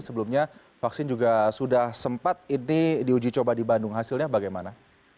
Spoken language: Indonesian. sebelumnya vaksin juga sudah sempat ini diuji coba di bandung hasilnya bagaimana